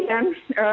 dan itu juga